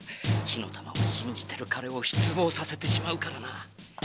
火の玉をしんじてるかれをしつぼうさせてしまうからな。